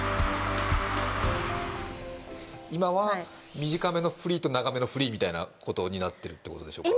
今は短めのフリーと長めのフリーみたいなことになってるってことでしょうか？